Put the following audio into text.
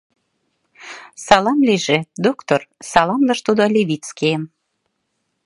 — Салам лийже, доктор, — саламлыш тудо Левицкийым.